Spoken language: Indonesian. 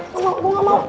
gue gak mau